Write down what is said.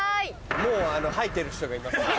もう吐いてる人がいますので。